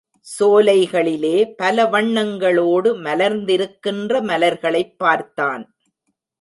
சோலைகளிலே பல வண்ணங்களோடு மலர்ந்திருக்கின்ற மலர்களைப் பார்த்தான்.